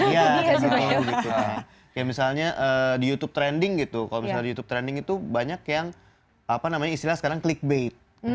iya kayak gitu gitu kayak misalnya di youtube trending gitu kalau misalnya di youtube trending itu banyak yang apa namanya istilah sekarang klik bate